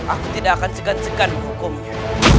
aku tidak akan segan segan menghukumnya